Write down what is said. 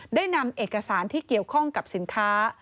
ได้นำเอกสารที่เกี่ยวข้องกับสินค้า